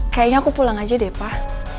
kayaknya aku pulang aja deh pak